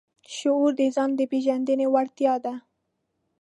شعور د ځان د پېژندنې وړتیا ده.